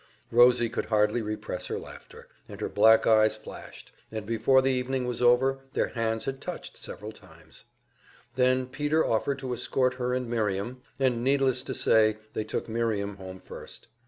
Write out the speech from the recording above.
Rosie could hardly repress her laughter, and her black eyes flashed, and before the evening was over their hands had touched several times. Then Peter offered to escort her and Miriam, and needless to say they took Miriam home first.